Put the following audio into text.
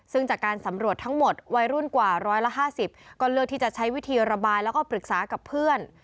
ซึ่งจากการสำรวจทั้งหมดวัยรุ่นกว่า๑๕๐ก็เลือกที่จะใช้วิธีระบายแล้วก็ปรึกษากับเพื่อน